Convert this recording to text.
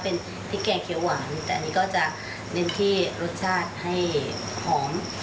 เป็นพริกแกงเขียวหวานแต่อันนี้ก็จะเน้นที่รสชาติให้หอม